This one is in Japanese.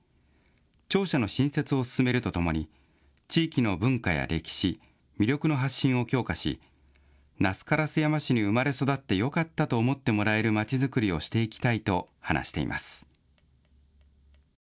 庁舎の新設を進めるとともに、地域の文化や歴史、魅力の発信を強化し、那須烏山市に生まれ育ってよかったと思ってもらえる町づくりをしていきたいと話しています。